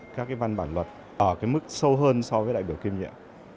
các văn bản luật ở mức sâu hơn so với đại biểu kiêm nhiệm